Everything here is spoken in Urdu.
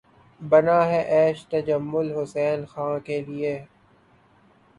بنا ہے عیش تجمل حسین خاں کے لیے